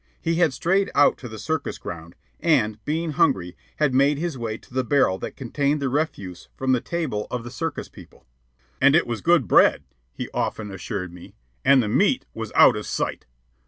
He had strayed out to the circus ground, and, being hungry, had made his way to the barrel that contained the refuse from the table of the circus people. "And it was good bread," he often assured me; "and the meat was out of sight."